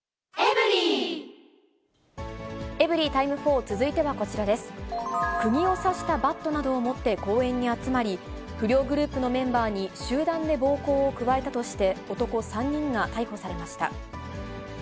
くぎを刺したバットなどを持って公園に集まり、不良グループのメンバーに集団で暴行を加えたとして男３人が逮捕されました。